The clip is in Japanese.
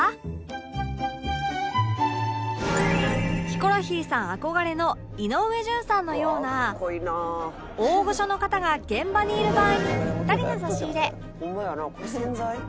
ヒコロヒーさん憧れの井上順さんのような大御所の方が現場にいる場合にピッタリな差し入れ